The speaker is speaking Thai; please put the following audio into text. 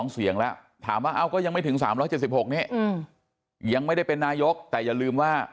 ๒เสียงแล้วถามว่าก็ยังไม่ถึง๓๗๖นี้ยังไม่ได้เป็นนายกแต่อย่าลืมว่า